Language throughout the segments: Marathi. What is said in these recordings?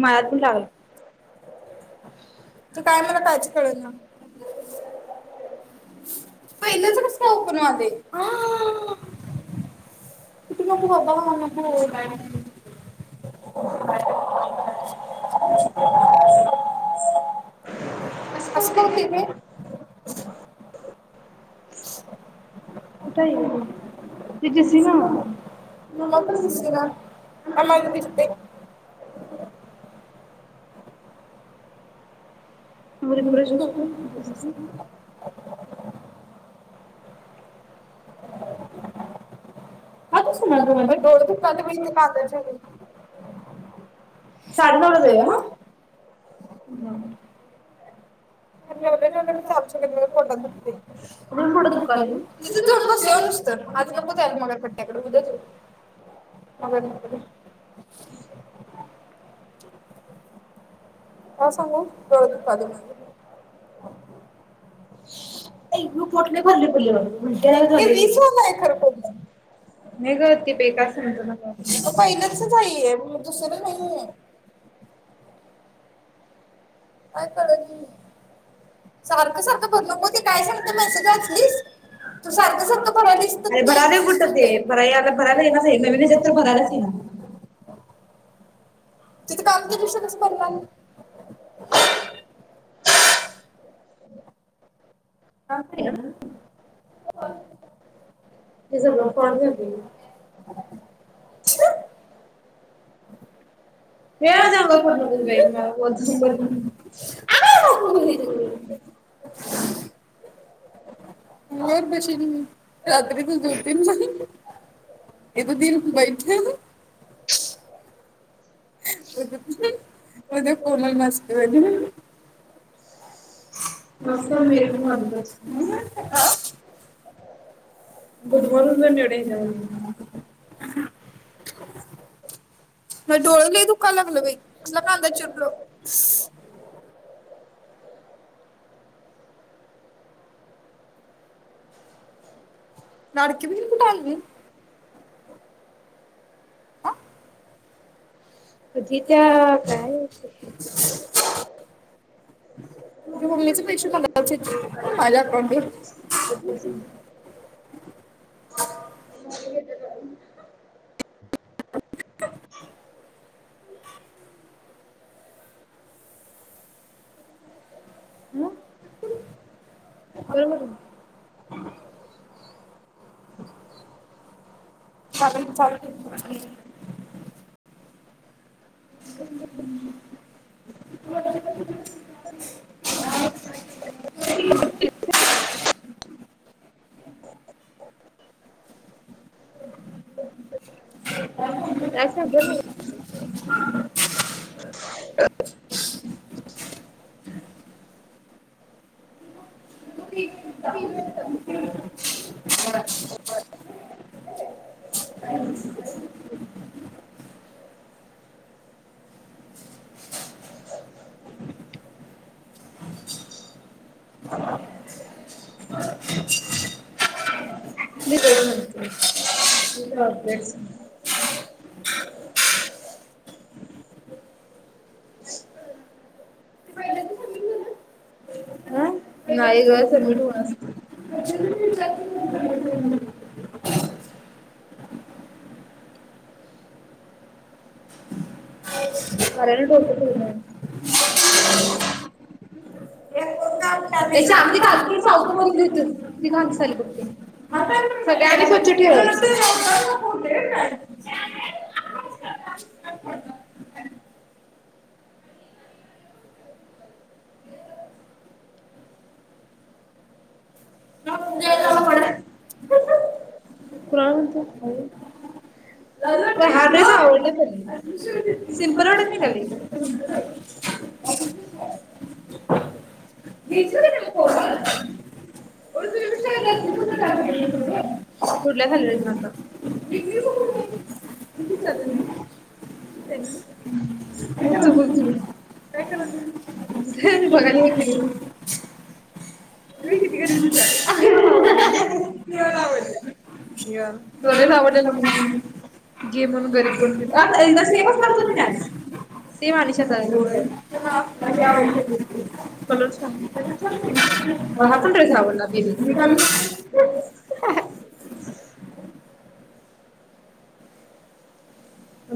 मळ्यातून लागला. तू काय मला कायच कळना. पहिल्याचं कस का ओपन व्हायले. इथे नको बाबा, नको. [unintelligible] [inaudible] असं का होतंय ते? कुठे आहे हे? ते दिसेना. [unintelligible] मग रिफ्रेश करू काय जास्ती? डोळे दुखालंय, बाई कांदा चिरून. साडेनऊला जाऊ मग? हा. [inaudible] आज नकोचल मग खट्टयाकडे उद्याच जाऊ [unintelligible] [inaudible] [inaudible] पहिल्याच आहे दुसऱ्याच नाहीये. काय कळल नाही ये सारख सारख बदलू नको मेसेज वाचलीस. तू सारखं सारखं भरालीच ना निघून जात आहे [inaudible] तिथे काम केल्याशिवाय कसं पडणार मग? [inaudible] [inaudible] [inaudible] [inaudible] [inaudible] रात्रीच्या झोपेन मी. [inaudible] [unintelligible] कोमल मास्तर आली ना. [inaudible] [inaudible] माझं डोळला दुखाला लागलं बाई कांदा चिरलो. लाडकी बहीण कुठे आलेली. [inaudible] तुझ्या मम्मीचे पैसे [unintelligible] माझ्या अकाउंट वर. [inaudible] [inaudible] [inaudible] बरोबर आहे ना. [inaudible] [inaudible] लि बेट म्हत तुझ्या अपडेटस नाई ग सबमिट होणार असते. सरांनी डोकं फिरवले मग. तशी आदी कालपर साऊथ मून घेतो. किती किती घाण दिसले बघ ते. सगळ्यांनी ठेवायच. [unintelligible] होते काय [unintelligible] कराणत ख हा ड्रेस आवडला पल्ली सिम्पल वाडत नाही. [unintelligible] गज नाला कमला [inaudible] [unintelligible] मती चाल नाही कच आहे ना का तू बघ चू ब बघाला कि. [unintelligible] किती घऊ ला आव [unintelligible] तडे साबडेला मु गेम म्हणून गरीब कोण आ जासमच करतो ना मॅच. ते माणष [unintelligible] तर म आपला आवड. ल हा पण ड्रेस आवडला बे मी कालू.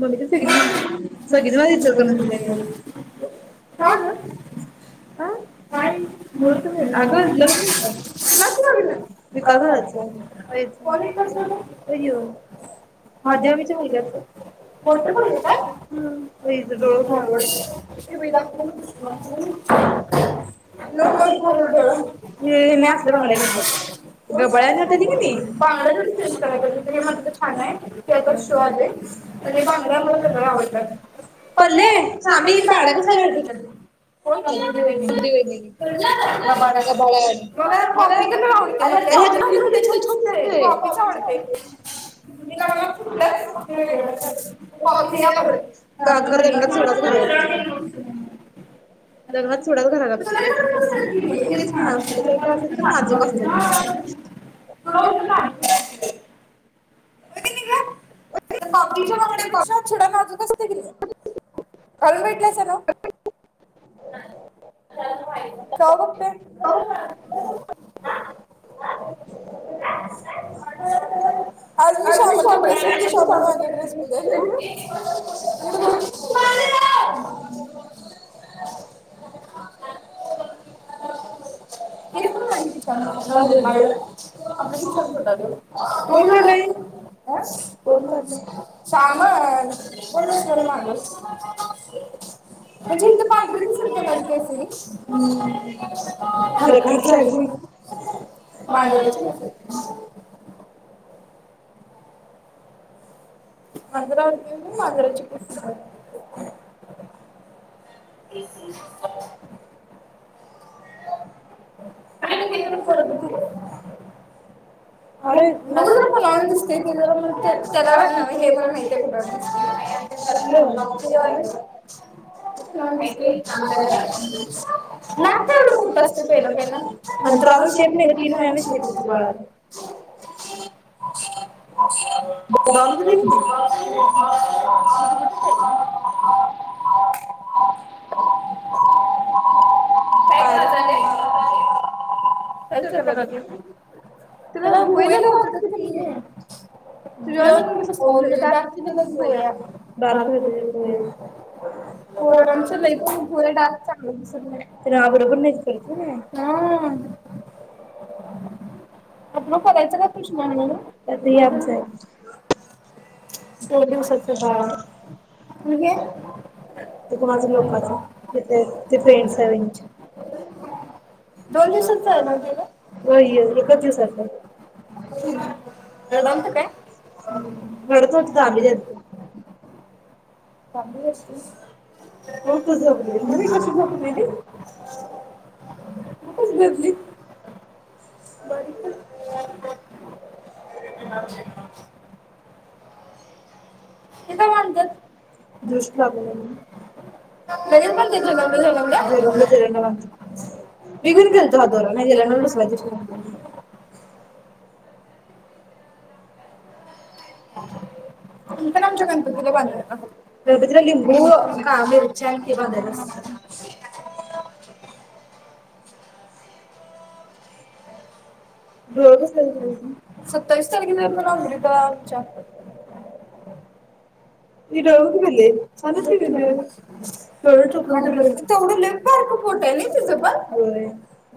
मम्मी ते सगळी सगळीच इचलकरंजीला गेलेत. का ग अ काय मत म्ह आगं लग्न काू [inaudible] विकासयच माध्यम [inaudible] लगचं [inaudible] मोठ प डोळ [inaudible] नकरी [inaudible] ह मी असल्या बंगल्या घेत गबळ्या [inaudible] क पांड जरी चेंज कराला पाहिजे मधलं छान आहे तेप शवाले [inaudible] पल्ले सामी बांगड्या कसल्या वाट ह [unintelligible] होला म कॉपीव [inaudible] फ त्याच्या दिसतेय तू ऑफीच आवडते [inaudible] ॉकी का घर त्यांनाच सु [inaudible] हो [inaudible] हम्म तुलाां [inaudible] हो तला आ [inaudible] तुझ्या वगड्या रिकक्ष छडा नाजूकसते ग [inaudible] घालून बघितला सा नव. कवा बघते. आर मी शामल ्रेसमध्ये शामल म्ह [inaudible] [inaudible] [inaudible] ह ब [inaudible] साम कोण कररमग [inaudible] म्हणजे इथ पांढर दिसजस [inaudible] झाांग [inaudible] प [inaudible] ते [inaudible] ह [inaudible] किती दिवसांनी थोडं करून घेऊ. [inaudible] मला जरा फोन लावून दिसतोय [inaudible] हे मला माहिती आहे कुठं आहे म्हणून [inaudible] लागत एवढं खूप असत पहील पहील. [inaudible] [unintelligible] [inaudible] [inaudible] [inaudible] कॅन्सल करा दिनू [inaudible] त्याला भुईला लावता क नाही, [unintelligible] हो ताई लागतीलच भुवया, डार्क फूल ब्लु फूल पोरांच्या लय पण भुवया डार्क चांगले दिसत नाहीत. [inaudible] [unintelligible] दोन दिवसाच बाळ हाय, त माझ्या लोकांना कि कि [unintelligible] दोन दिवसाचं सामान गेलं होय ग एकच दिवसात. रडायलाता काय हम्म रडत नव्हतं जाभी द्यायतं [inaudible] हो कसं झोपलेली, व्हय कसं झोपलेली कसं धरली [unintelligible] ते का बांधत्यात दृष्ट लागू नये म्हणून लगेच म्हणतात जेवण दे जेवण दे, जेवण दे जेवण दे म्हणत्यात मी पण गेलतो हात धुवायला माझ्या [inaudible] विश्वास बसेना. [unintelligible] मी पण आमच्या गणपतीला बांधणार, गणपतीला लिंबू मिरच्या आन ते बांधायचं असतं. डोळे पुसले ठिकाणी. सत्तावीस तारखेला लांबली [inaudible] आमच्या [inaudible] कुठून घेतलेली छान आहेत की नाही, चॉकलेटी कलर तेवढी लेफ्ट बारक पोट आहे नाही तुझं पण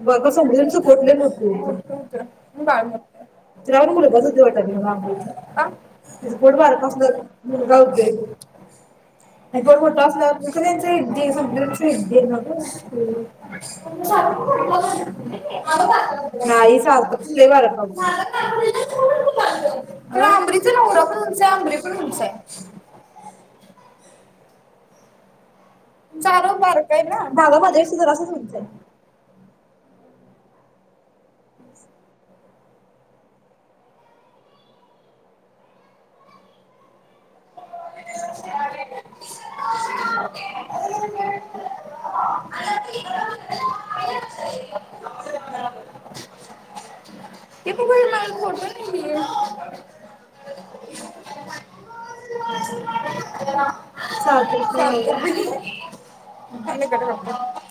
होय [inaudible] समजून तिचं पोट लय मोठ होती [unintelligible] त्यामुळे कुठे बघू बी वाटत [inaudible] आ तिचं पोट बारीक असल्यावर [unintelligible] पोट मोठं असल्यावर [unintelligible] [unintelligible] नाहीच [unintelligible] आब्रीचा नवरा पण उंच आहे, आब्री पण उंच आहे. दादा माझ्यापेक्षा जरासाच उंच आहे. [unintelligible] [unintelligible] ते [inaudible] माझं फोटो नाही दिली. [unintelligible] सांगते सांगते मीच, झाले का तोंडपाठ.